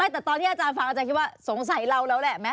แต่ตอนที่อาจารย์ฟังอาจารย์คิดว่าสงสัยเราแล้วแหละไหม